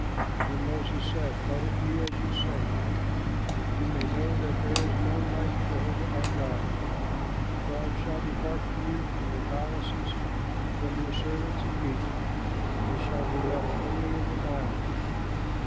Then Moses said, "Let it be as you say; that you may know that there is none like Jehovah our God, the frogs shall depart from you, from your palaces, and from your servants and people; they shall be left only in the Nile."